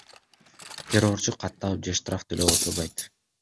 Террорчу катталып же штраф төлөп олтурбайт.